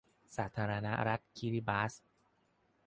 สาธารณรัฐคิริบาส